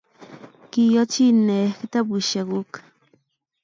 Kiyachi ne kitabushekguk?